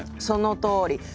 そのとおり！